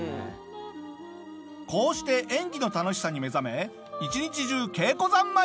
こうして演技の楽しさに目覚め一日中稽古三昧！